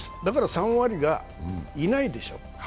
３割がいないでしょ。